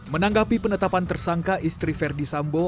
menanggapi penetapan tersangka istri verdi sambo